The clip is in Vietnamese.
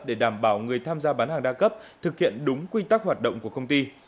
để đảm bảo người tham gia bán hàng đa cấp thực hiện đúng quy tắc hoạt động của công ty